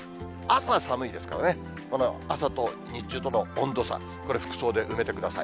朝寒いですからね、この朝と日中との温度差、これ、服装で埋めてください。